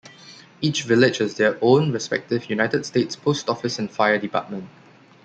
Each village has their own respective United States Post Office and fire department.